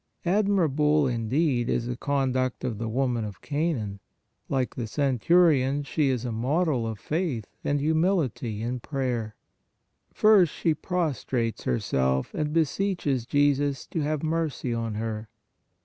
Admirable, indeed, is the conduct of the woman of Canaan! Like the centurion, she is a model of faith and humility in prayer. First, she 90 PRAYER prostrates herself, and beseeches Jesus to have mercy on her.